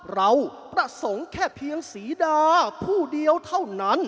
เราประสงค์แค่เพียงศรีดาผู้เดียวเท่านั้น